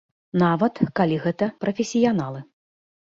Нават, калі гэта прафесіяналы.